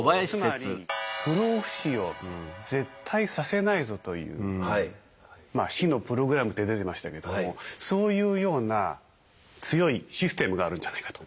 つまり不老不死を絶対させないぞというまあ死のプログラムって出てましたけどもそういうような強いシステムがあるんじゃないかと。